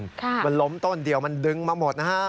มันล้มต้นเดียวมันดึงมาหมดนะฮะ